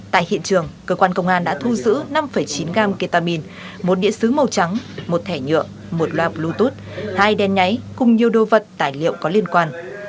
tại hiện trường cơ quan công an đã thu giữ năm chín gam ketamine một điện xứ màu trắng một thẻ nhựa một loa bluetooth hai đen nháy cùng nhiều đồ vật tài liệu có liên quan